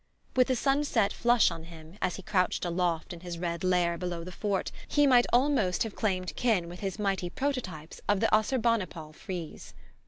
_ With the sunset flush on him, as he crouched aloft in his red lair below the fort, he might almost have claimed kin with his mighty prototypes of the Assarbanipal frieze.